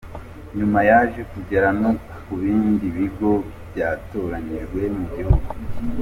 Nyuma yaje kugera no mu bindi bigo byatoranyijwe mu gihugu.